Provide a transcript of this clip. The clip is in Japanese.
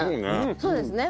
そうですね。